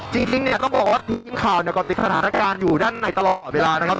จริงเนี่ยต้องบอกว่าทีมข่าวเนี่ยก็ติดสถานการณ์อยู่ด้านในตลอดเวลานะครับ